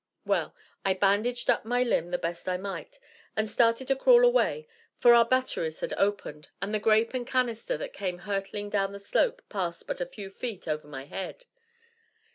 Well, I bandaged up my limb the best I might and started to crawl away, for our batteries had opened, and the grape and canister that came hurtling down the slope passed but a few feet over my head.